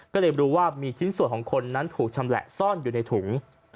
ก็เลยรู้ว่ามีชิ้นส่วนของคนนั้นถูกชำแหละซ่อนอยู่ในถุง